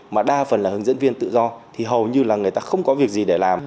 mà đa phần là hướng dẫn viên tự do thì hầu như là người ta không có việc gì để làm